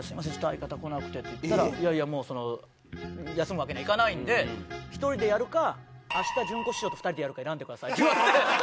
相方来なくて」って言ったら「いやいやもうその休むわけにはいかないんで１人でやるかあした順子師匠と２人でやるか選んでください」って言われて。